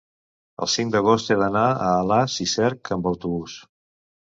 el cinc d'agost he d'anar a Alàs i Cerc amb autobús.